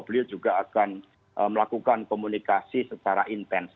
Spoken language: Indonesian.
beliau juga akan melakukan komunikasi secara intens